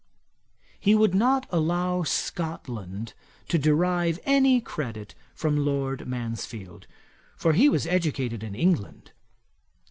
He would not allow Scotland to derive any credit from Lord Mansfield; for he was educated in England.